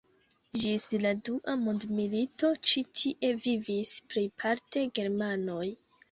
Ĝis la dua mondmilito ĉi tie vivis plejparte germanoj.